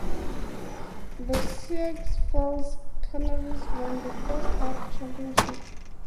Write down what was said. The Sioux Falls Canaries won the first–half championship.